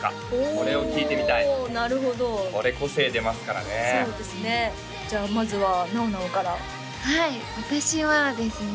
これを聞いてみたいおなるほどこれ個性出ますからねそうですねじゃあまずはなおなおからはい私はですね